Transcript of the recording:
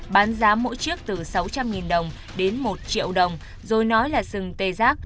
bán giá mỗi chiếc từ sáu trăm linh đồng đến một triệu đồng rồi nói là sừng tê giác